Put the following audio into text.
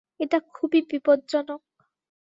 এটা খুবই বিপদজনক।